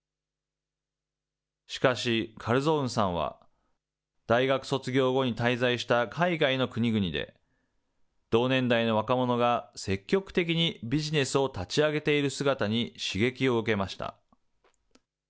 しかし、カルゾウンさんは大学卒業後に滞在した海外の国々で、同年代の若者が積極的にビジネスを立ち上げている姿に刺激を受けました。